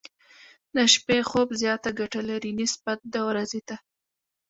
د شپې خوب زياته ګټه لري، نسبت د ورځې ته.